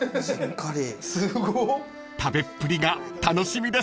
［食べっぷりが楽しみです］